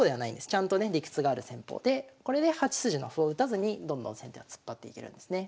ちゃんとね理屈がある戦法でこれで８筋の歩を打たずにどんどん先手は突っ張っていけるんですね。